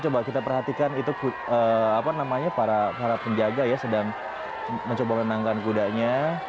kalau kita perhatikan itu para penjaga sedang mencoba menenangkan kudanya